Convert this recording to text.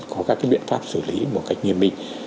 có các cái biện pháp xử lý một cách nghiêm bình